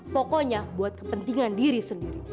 pokoknya buat kepentingan diri sendiri